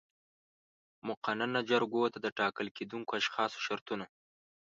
مقننه جرګو ته د ټاکل کېدونکو اشخاصو شرطونه